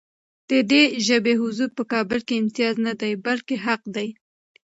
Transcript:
د دې ژبې حضور په کابل کې امتیاز نه دی، بلکې حق دی.